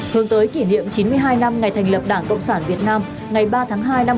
hướng tới kỷ niệm chín mươi hai năm ngày thành lập đảng cộng sản việt nam